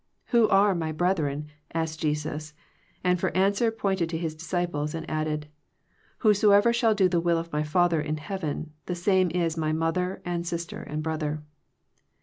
"Who are My brethren ?" asked Jesus, and for an swer pointed to His disciples, and added, "Whosoever shall do the will of My Father in heaven the same is My mother and sister and brother."